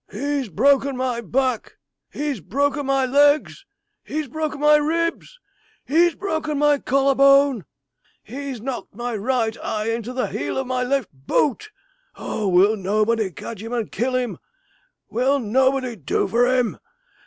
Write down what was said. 'He's broken my back he's broken my legs he's broken my ribs he's broken my collar bone he's knocked my right eye into the heel of my left boot. Oh! will nobody catch him and kill him? Will nobody do for him?